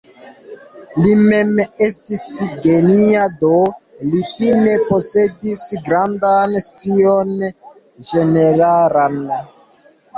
Li mem estis genia do li fine posedis grandan scion ĝeneralan.